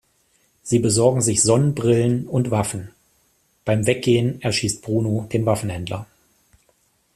Sie besorgen sich Sonnenbrillen und Waffen; beim Weggehen erschießt Bruno den Waffenhändler.